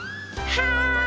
はい！